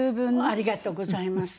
「ありがとうございます」。